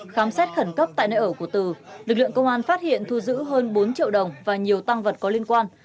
khám xét khẩn cấp tại nơi ở của từ lực lượng công an phát hiện thu giữ hơn bốn triệu đồng và nhiều tăng vật có liên quan